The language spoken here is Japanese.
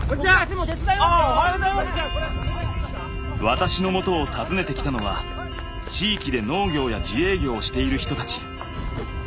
私のもとを訪ねてきたのは地域で農業や自営業をしている人たち。